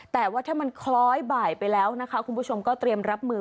แต่ว่าถ้ามันคล้อยบ่ายไปแล้วนะคะคุณผู้ชมก็เตรียมรับมือ